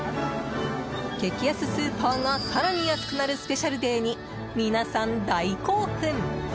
激安スーパーが更に安くなるスペシャルデーに皆さん大興奮！